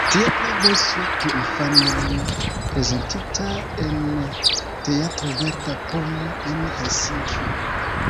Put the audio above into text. Teatra versio por infanoj, prezentita en teatro Verda Pomo en Helsinki.